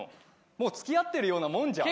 もう付き合ってるようなもんじゃん。